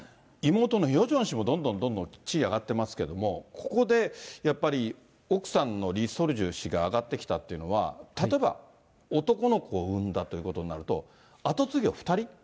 妹のヨジョン氏も、どんどんどんどん地位上がってますけれども、ここでやっぱり、奥さんのリ・ソルジュ氏が上がってきたっていうのは、例えば、男の子を産んだということになると、後継ぎを２人？